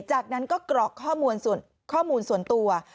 จากนั้นก็กรอกข้อมูลส่วนตัว